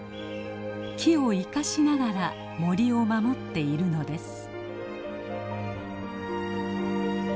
木を生かしながら森を守っているのです。